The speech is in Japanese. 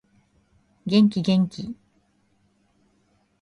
元気元気